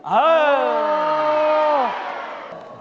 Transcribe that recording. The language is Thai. อ้าว